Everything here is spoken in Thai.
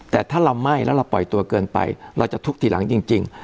แต่ถ้าเราไหม้แล้วเราปล่อยตัวเกินไปเราจะทุบทีหลังจริง